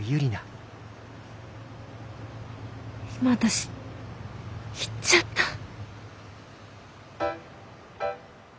今私言っちゃった！？